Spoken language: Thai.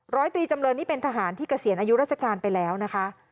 ร้อยตรีจำเรินนี่เป็นทหารที่เกษียณอายุราชการไปแล้วนะคะ